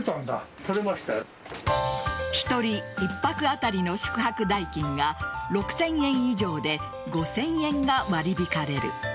１人一泊当たりの宿泊代金が６０００円以上で５０００円が割り引かれる。